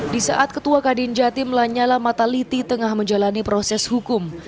di saat ketua kadin jatim lanyala mataliti tengah menjalani proses hukum